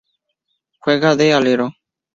Juega de alero.